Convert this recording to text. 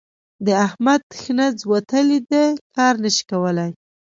د احمد ښنځ وتلي دي؛ کار نه شي کولای.